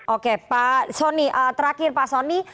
oke pak sony terakhir pak sony